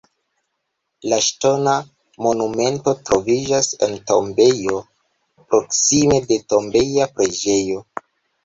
La ŝtona monumento troviĝas en tombejo proksime de tombeja preĝejo.